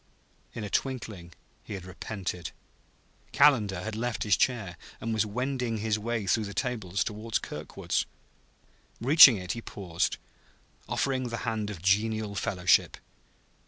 In a twinkling he had repented; Calendar had left his chair and was wending his way through the tables toward Kirkwood's. Reaching it, he paused, offering the hand of genial fellowship.